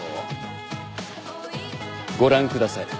ご覧ください。